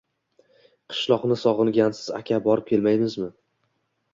Qishloqni sog‘ingansiz aka borib kelmaymizmi